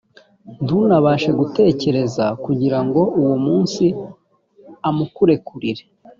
ntunabashe gutekereza, kugira ngo uwo munsi amukurekurire.